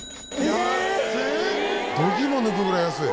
度肝抜くぐらい安い。